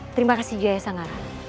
terima kasih jaya sangat